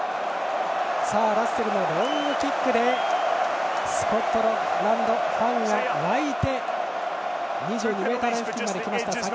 ラッセルのロングキックでスコットランドファンが沸いて２２ｍライン付近まで来ました。